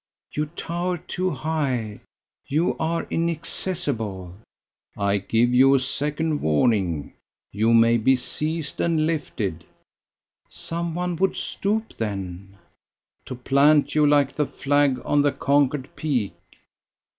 "You tower too high; you are inaccessible." "I give you a second warning. You may be seized and lifted." "Some one would stoop, then." "To plant you like the flag on the conquered peak!"